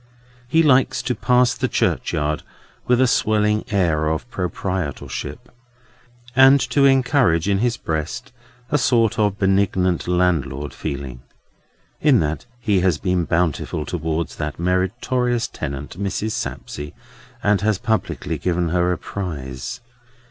He likes to pass the churchyard with a swelling air of proprietorship, and to encourage in his breast a sort of benignant landlord feeling, in that he has been bountiful towards that meritorious tenant, Mrs. Sapsea, and has publicly given her a prize.